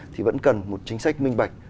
thì vẫn cần một chính sách minh bạch